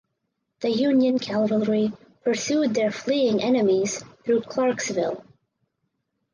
The Union cavalry pursued their fleeing enemies through Clarksville.